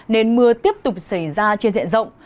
nền mưa tiếp tục xảy ra trên diện rộng